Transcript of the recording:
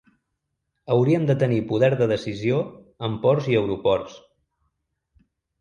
Hauríem de tenir poder de decisió en ports i aeroports.